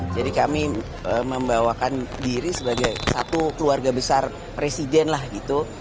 jadi kami membawakan diri sebagai satu keluarga besar presiden lah gitu